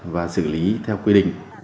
và xử lý theo quy định